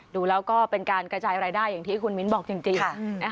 ดูแล้วก็เป็นการกระจายรายได้อย่างที่คุณมิ้นบอกจริง